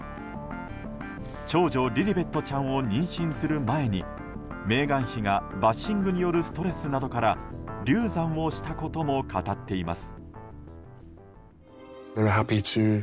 長女リリベットちゃんを妊娠する前にメーガン妃がバッシングによるストレスなどから流産をしたことも語っています。